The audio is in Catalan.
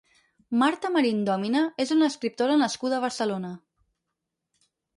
Marta Marín-Dòmine és una escriptora nascuda a Barcelona.